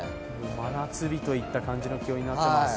真夏日といった感じの気温になっています。